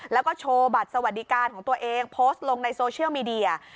แล้วก็โชว์บัตรสวัสดิการของตัวเองโพสต์ลงในโซเชียลมีเดีย